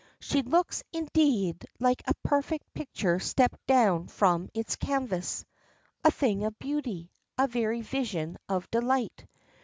She looks, indeed, like a perfect picture stepped down from its canvas, "a thing of beauty," a very vision of delight.